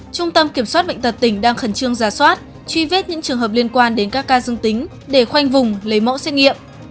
trung tâm kiểm soát bệnh tật tỉnh đang khẩn trương giả soát truy vết những trường hợp liên quan đến các ca dương tính để khoanh vùng lấy mẫu xét nghiệm